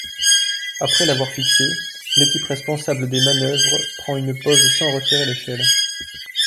Après l'avoir fixé, l'équipe responsable des manœuvres prend une pause sans retirer l'échelle.